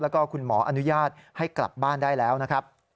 แล้วก็คุณหมออนุญาตให้กลับบ้านได้แล้วนะครับ